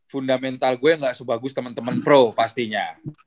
fundamental gue gak sebagus temen temen pro pastinya